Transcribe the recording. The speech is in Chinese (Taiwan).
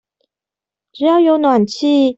只要有暖氣